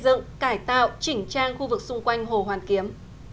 chỉnh trang khu vực xung quanh hồ hoàn kiếm